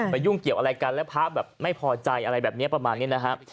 ยุ่งเกี่ยวอะไรกันแล้วพระแบบไม่พอใจอะไรแบบนี้ประมาณนี้นะครับ